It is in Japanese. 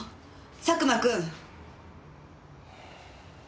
佐久間君！